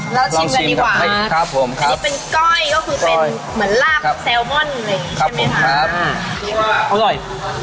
แล้วชิมกันดีกว่าครับอันนี้เป็นก้อยก็คือเป็นเหมือนลาบแซลมอนอะไรอย่างนี้ใช่ไหมครับอร่อย